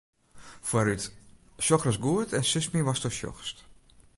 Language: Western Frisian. Foarút, sjoch ris goed en sis my watsto sjochst.